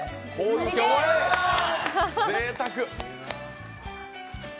ぜいたく！